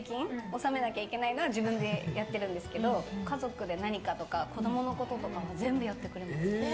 納めなきゃいけないのは自分でやってるんですけど家族で何かとか子供のこととか全部やってくれてる。